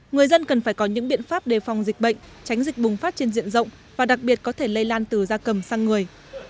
người dân cần phải có những biện pháp đề phòng dịch bệnh tránh dịch bùng phát trên diện rộng và đặc biệt có thể lây lan từ da cầm sang người